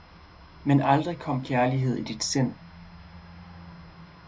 men aldrig kom Kjærlighed i dit Sind!